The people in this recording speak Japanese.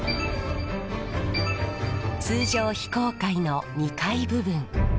通常非公開の２階部分。